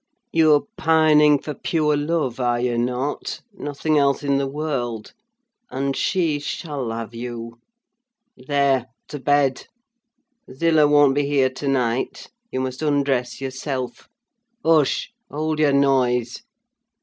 You're pining for pure love, are you not? nothing else in the world: and she shall have you! There, to bed! Zillah won't be here to night; you must undress yourself. Hush! hold your noise!